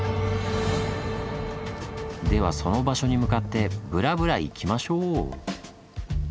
ではその場所に向かってブラブラ行きましょう！